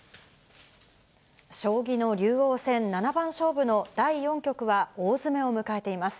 将棋の竜王戦七番勝負の第４局は大詰めを迎えています。